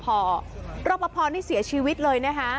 ไปที่รบบพอรบบพอนี่เสียชีวิตเลย